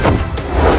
kau pulang mas